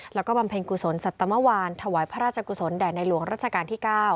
แล้วก็บำเพ็ญกุศลสัตมวานถวายพระราชกุศลแด่ในหลวงรัชกาลที่๙